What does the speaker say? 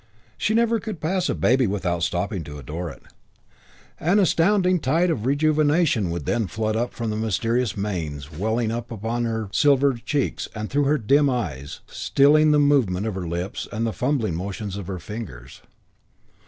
She never could pass a baby without stopping to adore it, and an astounding tide of rejuvenation would then flood up from mysterious mains, welling upon her silvered cheeks and through her dim eyes, stilling the movement of her lips and the fumbling motions of her fingers.